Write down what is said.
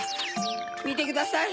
みてください